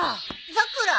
さくら。